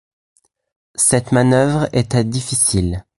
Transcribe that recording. Cette manœuvre était difficile.